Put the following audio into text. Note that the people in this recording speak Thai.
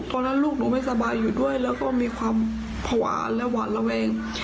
ตอนนั้นลูกหนูไม่สบายอยู่ด้วยแล้วก็มีความภาวะและหวาดระแวง